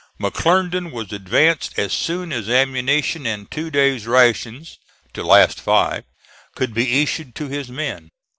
McClernand was advanced as soon as ammunition and two days' rations (to last five) could be issued to his men.